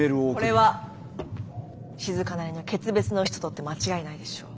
これはしずかなりの決別の意思と取って間違いないでしょう。